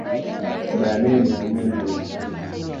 Baadaye alihamia Marekani.